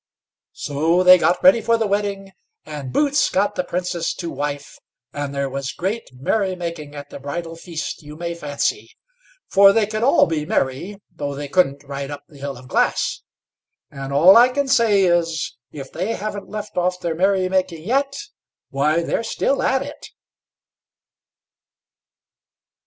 So they got ready for the wedding, and Boots got the Princess to wife, and there was great merry making at the bridal feast, you may fancy, for they could all be merry though they couldn't ride up the Hill of Glass; and all I can say is, if they haven't left off their merry making yet, why, they're still at it.